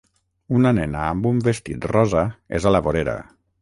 Una nena amb un vestit rosa és a la vorera.